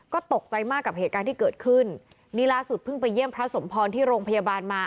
ก็ตกใจมากกับเหตุการณ์ที่เกิดขึ้นนี่ล่าสุดเพิ่งไปเยี่ยมพระสมพรที่โรงพยาบาลมา